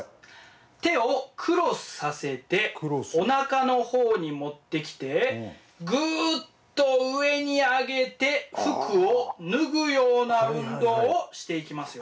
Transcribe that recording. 手をクロスさせておなかの方に持ってきてぐっと上に上げて服を脱ぐような運動をしていきますよ。